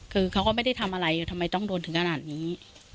คือเขาก็ไม่ได้ทำอะไรทำไมต้องโดนถึงขนาดนี้